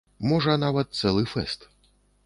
Можа, нават цэлы фэст.